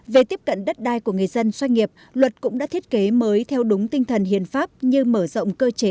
về tiếp cận đất đai của người dân doanh nghiệp luật cũng đã thiết kế mới theo đúng tinh thần hiến pháp như mở rộng cơ chế